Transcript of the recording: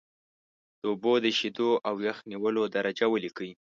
د اوبو د ایشېدو او یخ نیولو درجه ولیکئ.